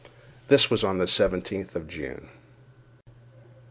This was on the seventeenth of June.